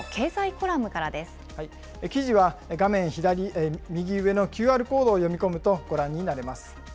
コラム記事は画面右上のＱＲコードを読み込むとご覧になれます。